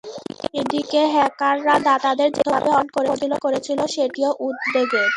এদিকে হ্যাকাররা দাতাদের যেভাবে অর্থ প্রদান করেছিল, সেটিও উদ্বেগের।